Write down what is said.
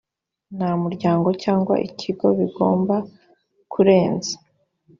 nta muryango cyangwa ikigo bigomba kurenza